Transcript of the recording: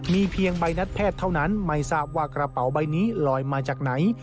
มีเพียงใบนัดแพทย์เท่านั้นไม่ทราบว่ากระเป๋าใบนี้ลอยมาจากไหน